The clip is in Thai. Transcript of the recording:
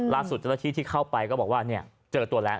ล่าสุดเจ้าหน้าที่ที่เข้าไปก็บอกว่าเนี่ยเจอตัวแล้ว